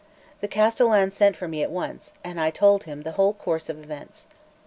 The castellan sent for me at once, and I told him the whole course of events.